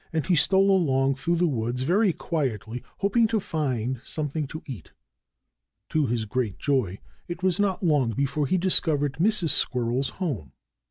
And he stole along through the woods very quietly, hoping to find something to eat. To his great joy, it was not long before he discovered Mrs. Squirrel's home.